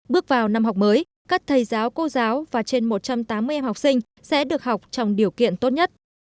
bước vào năm học mới các thầy giáo cô giáo và trên một trăm tám mươi em học sinh sẽ được học trong điều kiện tốt nhất